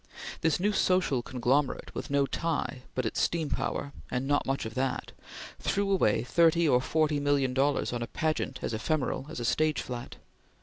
This new social conglomerate, with no tie but its steam power and not much of that, threw away thirty or forty million dollars on a pageant as ephemeral as a stage flat.